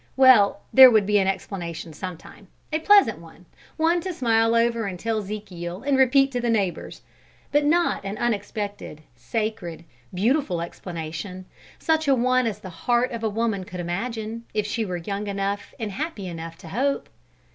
Well, there would be an explanation some time; a pleasant one; one to smile over, and tell 'Zekiel and repeat to the neighbours; but not an unexpected, sacred, beautiful explanation, such a one as the heart of a woman could imagine, if she were young enough and happy enough to hope.